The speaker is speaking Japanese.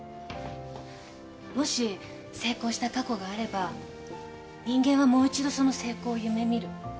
もし成功した過去があれば人間はもう一度その成功を夢見る。